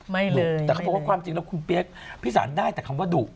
แต่พูดความจริงแล้วคุณเปี๊ยกพิสารได้แต่คำว่าดุ